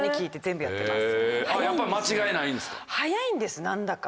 やっぱ間違いないんですか？